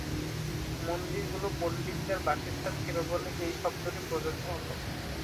মন্দিরগুলি পণ্ডিতদের বাসস্থান ছিল বলে এই শব্দটি প্রযোজ্য হত।